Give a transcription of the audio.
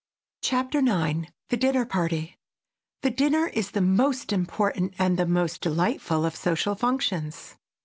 CHAPTER IX THE DINNER PARTY THE dinner is the most important and the most delightful of social functions.